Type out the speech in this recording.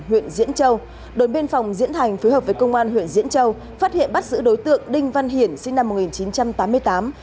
huyện diễn châu đồn biên phòng diễn thành phối hợp với công an huyện diễn châu phát hiện bắt giữ đối tượng đinh văn hiển sinh năm một nghìn chín trăm tám mươi tám